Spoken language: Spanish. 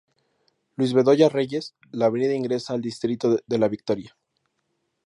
Luis Bedoya Reyes, la avenida ingresa al distrito de La Victoria.